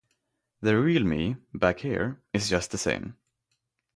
The real me — back here — is just the same.